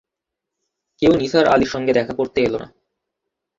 কেউ নিসার আলির সঙ্গে দেখা করতে এল না।